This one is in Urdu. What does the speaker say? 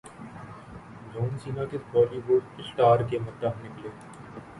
جان سینا کس بولی وڈ اسٹار کے مداح نکلے